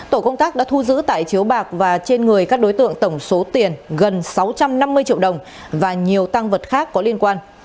tổ công tác đã thu giữ tải chiếu bạc và trên người các đối tượng tổng số tiền gần sáu trăm năm mươi triệu đồng và nhiều tăng vật khác có liên quan